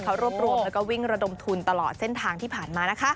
เขารวบรวมแล้วก็วิ่งระดมทุนตลอดเส้นทางที่ผ่านมา